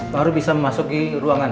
baru bisa masuk ke ruangan